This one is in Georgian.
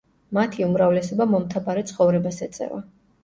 მათი უმრავლესობა მომთაბარე ცხოვრებას ეწევა.